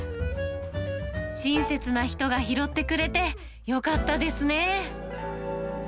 親切な人が拾ってくれて、よかったですね。